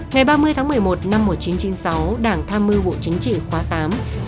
ngày ba mươi tháng một mươi một năm một nghìn chín trăm chín mươi sáu đảng tham mưu bộ chính trị khóa tám